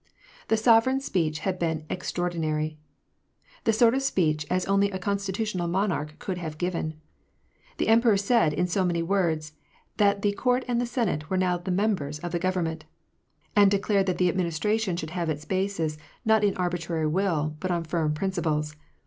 The sovereign's speech had been extraordinary : ng that mom speech as only a constitutional monarch could have ^f ^ on being " The empei or said, in so many words, that the coujsrreeable. the senate were now the mernbera of the govemmenlNQsus, declared that the administration should have its basis not ons arbitrary will, but on firm principles.